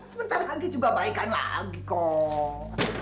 sebentar lagi juga baikan lagi kok